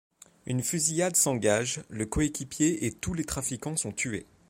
Une fusillade s'engage, le coéquipier et tous les trafiquants sont tués.